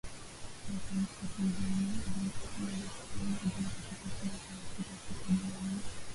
Hassan Sheikh Mohamud alimshukuru Rais Joe Biden katika ukurasa wa Twita siku ya Jumanne.